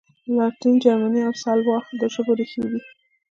لاتین، جرمني او سلاو د ژبو ریښې دي.